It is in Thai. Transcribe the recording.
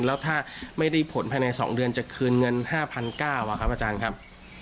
แล้วถ้าไม่ได้ผลภายใน๒เดือนจะคืนเงิน๕๙๐๐บาทครับอาจารย์ครับ